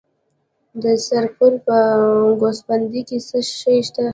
د سرپل په ګوسفندي کې څه شی شته؟